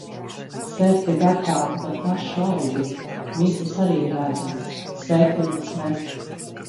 Serde gardāka par pašu augli. Mizas arī ir ēdamas. Sēkliņas ne.